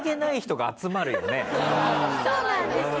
そうなんですよ。